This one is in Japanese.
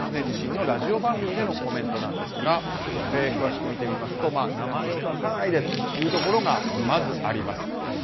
自身のラジオ番組でのコメントなんですが詳しく見てみますと名前を出さないでというところがまずあります。